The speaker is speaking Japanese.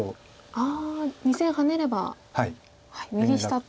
あ２線ハネれば右下と。